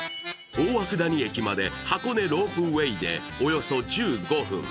大涌谷駅まで箱根ロープウェイでおよそ１５分。